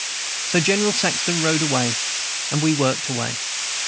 "So General Saxton rode away, and we worked away.